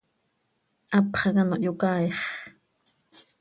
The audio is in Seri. Hapx hac ano hyocaaix.